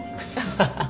ハハハ